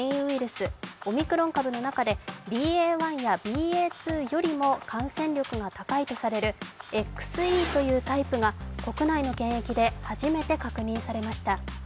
スオミクロン株の中でＢＡ．１やＢＡ．２よりも感染力が高いとされるＸＥというタイプが国内の検疫で初めて確認されました。